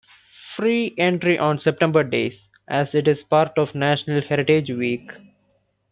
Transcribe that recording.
Free entry on September days as it is part of National Heritage Week.